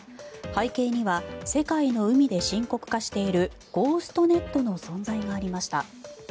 背景には世界の海で深刻化しているゴーストネットの存在がありました。